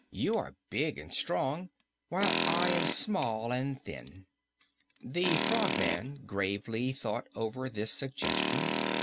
You are big and strong, while I am small and thin." The Frogman gravely thought over this suggestion.